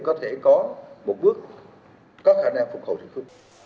có thể có một bước có khả năng phục hồi thực sự